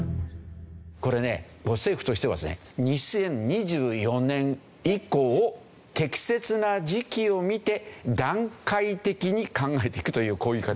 これね政府としてはですね「２０２４年以降適切な時期を見て段階的に考えていく」というこういう言い方。